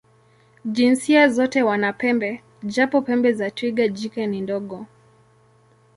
Jinsia zote wana pembe, japo pembe za twiga jike ni ndogo.